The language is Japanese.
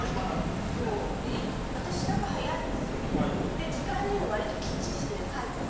で時間にも割ときっちりしてるタイプなの。